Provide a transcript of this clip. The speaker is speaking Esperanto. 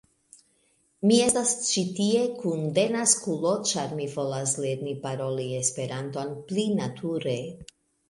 Mi estas ĉi tie kun denaskulo ĉar mi volas lerni paroli Esperanton pli nature